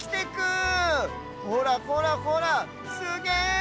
ほらほらほらすげえ！